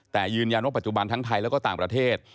แต่ยืนยันว่าปัจจุบันทั้งไทยแล้วก็ต่างประเทศ